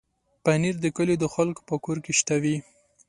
پنېر د کلیو د خلکو په کور کې شته وي.